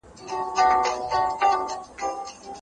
ما تاسي ته د یووالي لپاره یو قوي دلیل پیدا کړی.